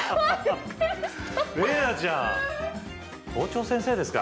麗菜ちゃん、校長先生ですか？